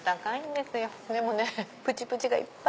でもねプチプチがいっぱい！